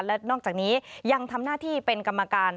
และนอกจากนี้ยังทำหน้าที่เป็นกรรมการ